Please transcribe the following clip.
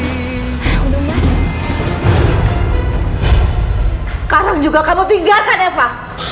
sekarang juga kamu tinggalkan eva